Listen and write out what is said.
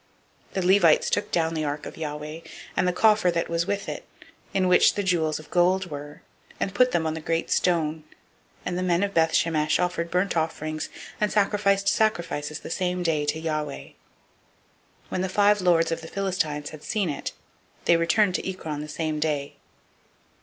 006:015 The Levites took down the ark of Yahweh, and the coffer that was with it, in which the jewels of gold were, and put them on the great stone: and the men of Beth Shemesh offered burnt offerings and sacrificed sacrifices the same day to Yahweh. 006:016 When the five lords of the Philistines had seen it, they returned to Ekron the same day.